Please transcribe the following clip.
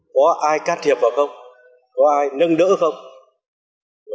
có ai can thiệp vào không có ai nâng đỡ không